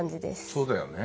そうだよね。